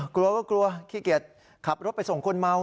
กลัวก็กลัวขี้เกียจขับรถไปส่งคนเมา